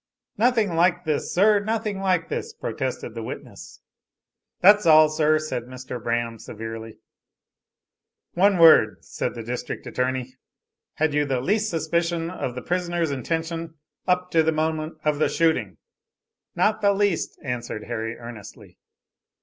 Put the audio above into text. "Nothing like this, sir, nothing like this," protested the witness. "That's all, sir," said Mr. Braham severely. "One word," said the District Attorney. "Had you the least suspicion of the prisoner's intention, up to the moment of the shooting?" "Not the least," answered Harry earnestly.